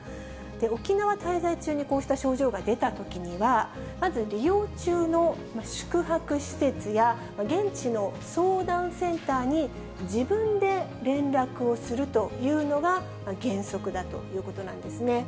沖縄滞在中に、こうした症状が出たときには、まず利用中の宿泊施設や、現地の相談センターに自分で連絡をするというのが原則だということなんですね。